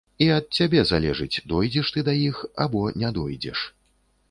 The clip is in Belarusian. І ад цябе залежыць, дойдзеш ты да іх або не дойдзеш.